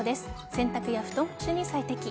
洗濯や布団干しに最適。